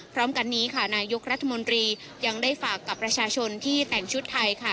พร้อมกันนี้ค่ะนายกรัฐมนตรียังได้ฝากกับประชาชนที่แต่งชุดไทยค่ะ